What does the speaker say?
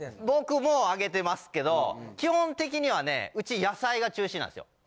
僕もあげてますけど基本的にはねウチ野菜が中心なんですよ。